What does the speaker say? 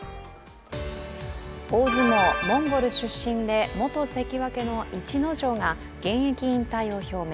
大相撲、モンゴル出身で元関脇の逸ノ城が現役引退を表明。